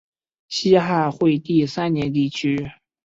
西汉惠帝三年地区。